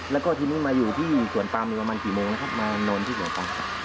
แล้วก็ทีนี้มาอยู่ที่สวนปัมป์นี่ประมาณกี่โมงนะครับมานอนที่สวนปัมป์